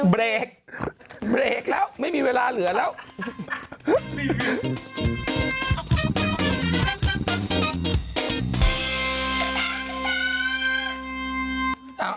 เบรกเบรกแล้วไม่มีเวลาเหลือแล้ว